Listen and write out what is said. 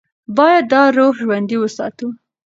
باید دا روح ژوندۍ وساتو.